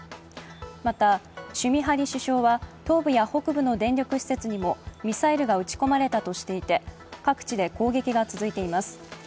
またシュミハリ首相は東部や北部の電力施設にもミサイルが撃ち込まれたとしていて各地で攻撃が続いています。